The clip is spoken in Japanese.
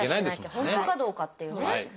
本当かどうかっていうね。